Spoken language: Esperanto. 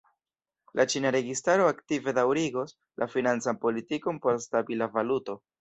La ĉina registaro aktive daŭrigos la financan politikon por stabila valuto.